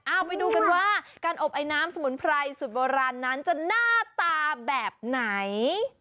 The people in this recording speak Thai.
เอาไปดูกันว่าการอบไอน้ำสมุนไพรสุดโบราณนั้นจะหน้าตาแบบไหน